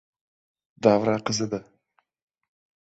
Davra qizidi.